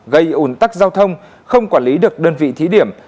gây ủn tắc giao thông không quản lý được đơn vị thí điểm